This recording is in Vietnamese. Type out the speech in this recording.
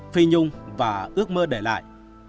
phi nhung và ước mơ để lại